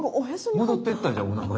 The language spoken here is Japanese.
もどってったじゃんおなかに。